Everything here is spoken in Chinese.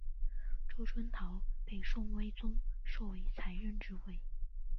周春桃被宋徽宗授为才人之位。